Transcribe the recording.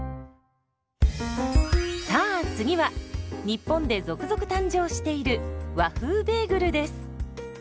さあ次は日本で続々誕生している「和風ベーグル」です。